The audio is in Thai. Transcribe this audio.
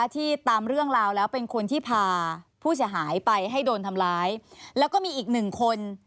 ที่ตามเรื่องราวแล้วเป็นคนที่พาผู้เสียหายไปให้โดนทำร้ายแล้วก็มีอีกหนึ่งคน